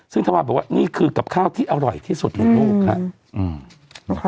ซึ่งถ้าว่าบอกว่านี่คือกับข้าวที่อร่อยที่สุดของลูกค่ะ